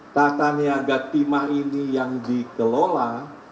tata niaga timah ini yang dikelola